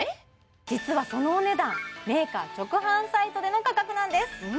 実はそのお値段メーカー直販サイトでの価格なんです